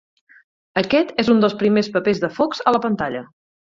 Aquest és un dels primers papers de Fox a la pantalla.